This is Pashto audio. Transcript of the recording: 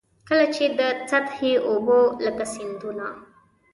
کله چي د سطحي اوبو لکه سیندونه.